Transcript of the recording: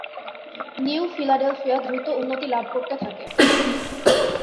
New Philadelphia দ্রুত উন্নতি লাভ করতে থাকে।